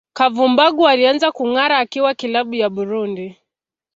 Kavumbagu alianza kungara akiwa klabu ya Burundi